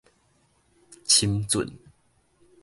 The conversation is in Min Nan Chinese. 深圳